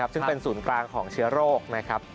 ซึ่งเป็นศูนย์กลางของเชื้อโรคนะครับ